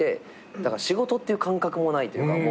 だから仕事っていう感覚もないというかもう。